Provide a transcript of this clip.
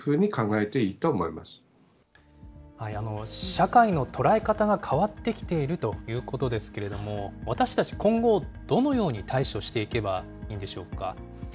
社会の捉え方が変わってきているということですけれども、私たち今後、どのように対処していけばいいんでしょうか。